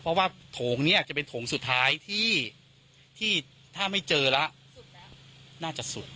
เพราะว่าโถงนี้อาจจะเป็นโถงสุดท้ายที่ถ้าไม่เจอแล้วน่าจะสุด